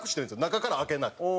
中から開けないと。